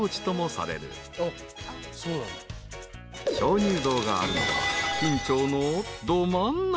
［鍾乳洞があるのは金武町のど真ん中］